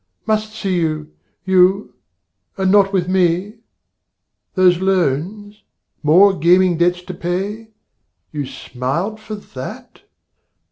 Must see you you, and not with me? Those loans? More gaming debts to pay? you smiled for that?